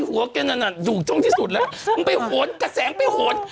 หัวแกนั่นน่ะถูกจงที่สุดเลยมึงไปโหดกับแสงไปโหด